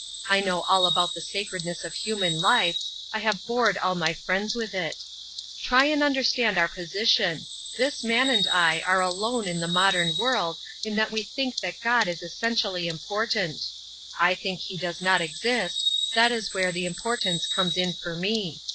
I know all about the sacredness of human life; I have bored all my friends with it. Try and understand our position. This man and I are alone in the modern world in that we think that God is essentially important. I think He does not exist; that is where the importance comes in for me.